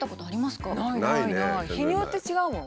日によって違うもん。